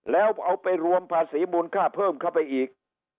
แล้วเอาไปรวมภาษีมูลค่าเพิ่มเข้าไปอีก